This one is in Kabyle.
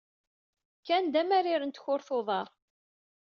Ken d amarir n tkurt n uḍar.